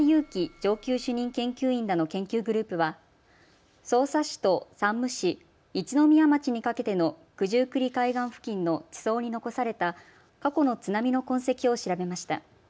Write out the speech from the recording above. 上級主任研究員らの研究グループは匝瑳市と山武市、一宮町にかけての九十九里海岸付近の地層に残された過去の津波の痕跡を調べました。